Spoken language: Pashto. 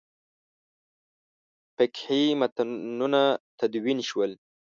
فقهي متنونه تدوین شول.